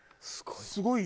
すごい！